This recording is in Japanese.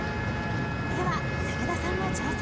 では武田さんも挑戦！